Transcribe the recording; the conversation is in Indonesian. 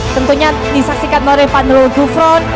tentunya disaksikan oleh pak nurul gufron